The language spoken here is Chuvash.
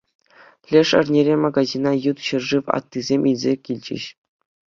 Леш эрнере магазина ют ҫӗршыв аттисем илсе килчӗҫ.